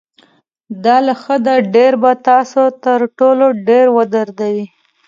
دا له حده ډېر به تاسو تر ټولو ډېر ودردوي.